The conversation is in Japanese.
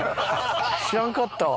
知らんかったわ。